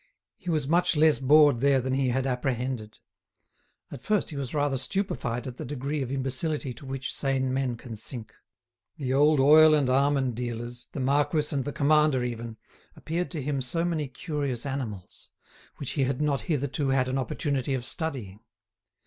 He was much less bored there than he had apprehended. At first he was rather stupefied at the degree of imbecility to which sane men can sink. The old oil and almond dealers, the marquis and the commander even, appeared to him so many curious animals, which he had not hitherto had an opportunity of studying.